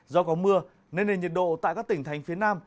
do có mưa nên nền nhiệt độ tại các tỉnh thành phía nam